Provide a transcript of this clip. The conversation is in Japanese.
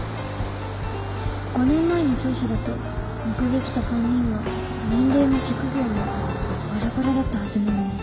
５年前の調書だと目撃者３人の年齢も職業もバラバラだったはずなのに。